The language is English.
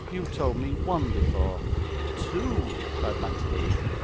'You told me one before!' 'Two!' cried Mantalini.